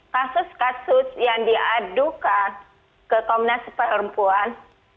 kasus kasus yang diadukan ke komnas perempuan